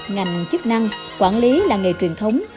ngành chức năng quản lý là nghề truyền thống